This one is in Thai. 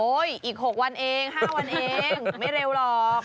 อีก๖วันเอง๕วันเองไม่เร็วหรอก